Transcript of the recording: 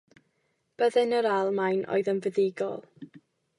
Byddin yr Almaen oedd yn fuddugol.